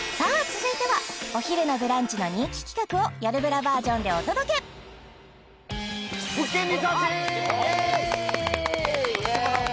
続いてはお昼の「ブランチ」の人気企画を「よるブラ」バージョンでお届けイエーイ